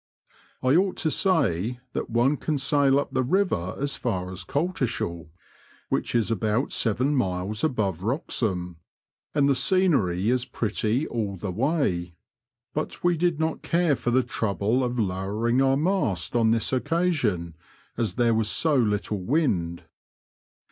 I ought to say that one can sail up the river as far as Coltishall, which is about seven miles above Wroxham, and the scenery is pretty all the way ; but we did not care for the trouble of lowering our mast on this occasion, as there was so little wind.